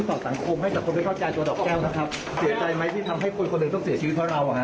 ดอกแก้วขายกันทางสุด